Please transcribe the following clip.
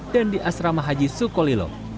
dan di asrama haji sukolilo